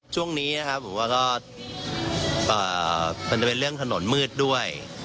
ช่วงนี้นะครับผมว่าก็มันจะเป็นเรื่องถนนมืดด้วย